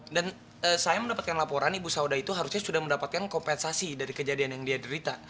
dan saya mendapatkan laporan ibu saudah itu harusnya sudah mendapatkan kompensasi dari kejadian yang dia derita